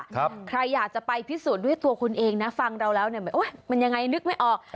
ใครอยากจะไปพิสูจน์ด้วยตัวคุณเองนะฟังเราแล้วเนี่ยโอ๊ยมันยังไงนึกไม่ออก